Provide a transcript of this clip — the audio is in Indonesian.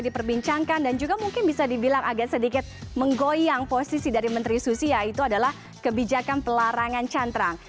diperbincangkan dan juga mungkin bisa dibilang agak sedikit menggoyang posisi dari menteri susi yaitu adalah kebijakan pelarangan cantrang